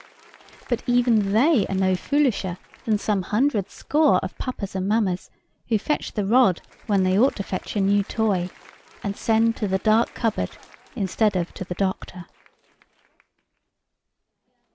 But even they are no foolisher than some hundred score of papas and mammas, who fetch the rod when they ought to fetch a new toy, and send to the dark cupboard instead of to the doctor.